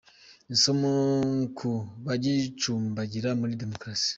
Isomo ku bagicumbagira muri Demokarasi